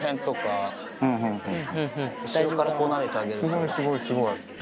すごいすごいすごい。